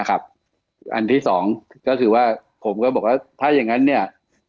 อันที่๒ก็คือว่าผมก็บอกว่าถ้าอย่างนั้นเนี่ย